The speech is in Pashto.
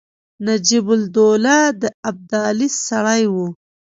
نجیب الدوله د ابدالي سړی وو.